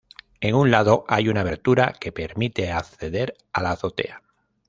En un lado hay una abertura que permite acceder a la azotea.